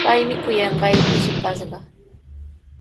Paymi kuyanqayki shipashqa.